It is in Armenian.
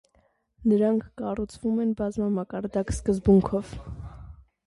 Նրանք կառուցվում են բազմամակարդակ սկզբունքով։